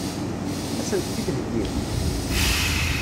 Ad sent-t-id-theggimt?